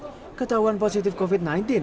mencari penumpang yang positif covid sembilan belas